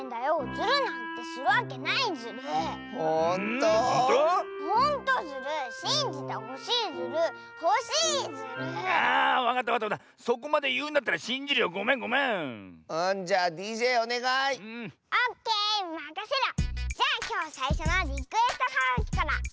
じゃあきょうさいしょのリクエストはがきから！